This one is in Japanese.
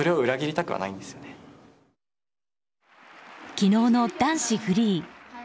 昨日の男子フリー。